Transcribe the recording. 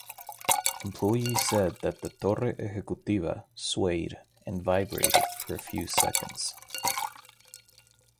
Employees said that the Torre Ejecutiva swayed and vibrated for a few seconds.